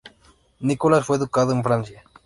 Nicolás fue educado en Francia.